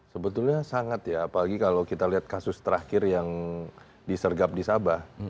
sebetulnya sangat ya apalagi kalau kita lihat kasus terakhir yang disergap di sabah